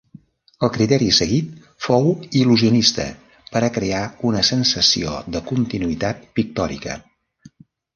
El criteri seguit fou il·lusionista per a crear una sensació de continuïtat pictòrica.